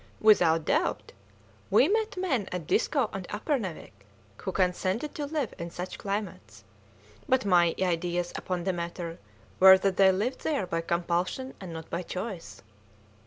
"Without doubt! We met men at Disko and Uppernawik who consented to live in such climates; but my ideas upon the matter were that they lived there by compulsion and not by choice."